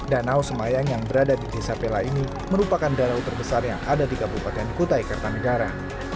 danau semayang yang berada di desa pela ini merupakan danau terbesar yang ada di kabupaten kutai kartanegara